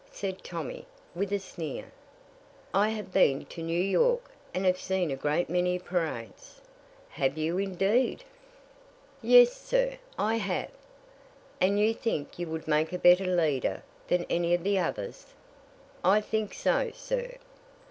said Tommy, with a sneer. "I have been to New York, and have seen a great many parades." "Have you, indeed?" "Yes, sir, I have." "And you think you would make a better leader than any of the others?" "I think so, sir."